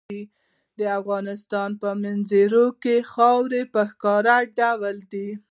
د افغانستان په منظره کې خاوره په ښکاره ډول دي.